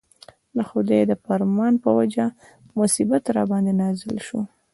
د خدای د فرمان په وجه مصیبت راباندې نازل شو.